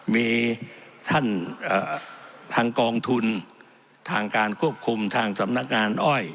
มีท่านทางกองทุนทางการควบคุมทางสำนักงานอ้อย